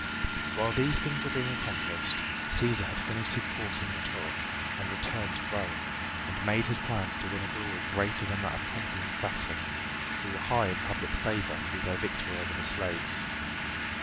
While these things were being accomplished Cæsar had finished his course in rhetoric and returned to Rome, and made his plans to win a glory greater than that of Pompey and Crassus, who were high in public favor through their victory over the slaves.